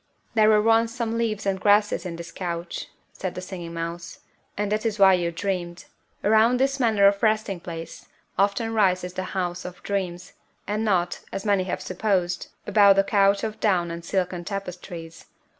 "There were once some leaves and grasses in this couch," said the Singing Mouse, "and that is why you dreamed. Around this manner of resting place often arises the House of Dreams, and not, as many have supposed, about the couch of down and silken tapestries.